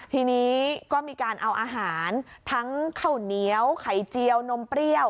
ทีนี้ก็มีการเอาอาหารทั้งข้าวเหนียวไข่เจียวนมเปรี้ยว